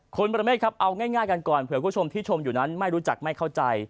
คุณประเมฆครับเอาง่ายกันก่อนเผื่อคุณผู้ชมที่ชมอยู่นั้นไม่รู้จักไม่เข้าใจ